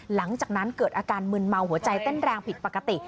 หลังจากนั้นเกิดอาการมึนเมาหัวใจเต้นแรงผิดปกติ